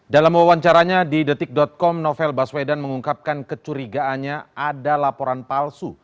dalam wawancaranya di detik com novel baswedan mengungkapkan kecurigaannya ada laporan palsu